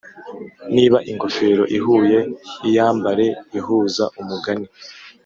niba ingofero ihuye, iyambare ihuza umugani